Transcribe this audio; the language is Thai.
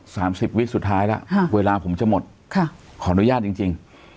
สิบวิกสุดท้ายแล้วค่ะเวลาผมจะหมดค่ะขออนุญาตจริงจริง